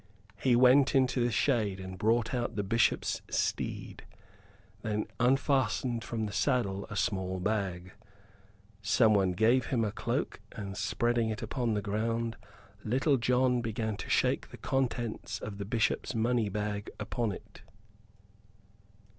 He went into the shade and brought out the bishop's steed, then unfastened from the saddle a small bag. Someone gave him a cloak; and, spreading it upon the ground, Little John began to shake the contents of the Bishop's money bag upon it.